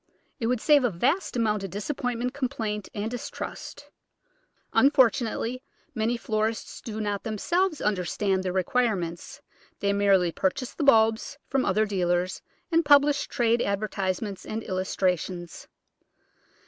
It would save a vast amount of disappointment, complaint, and distrust. Unfort unately many florists do not themselves understand their requirements; they merely purchase the bulbs from other dealers, and publish trade advertisements and illustrations.